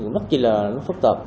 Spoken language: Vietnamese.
rất là phức tập